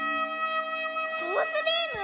ソースビーム？